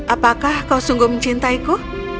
apakah kau sungguh mencintaiku